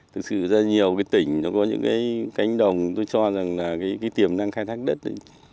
thực sự ra nhiều cái tỉnh nó có những cái cánh đồng tôi cho rằng là cái tiềm năng khai thác đất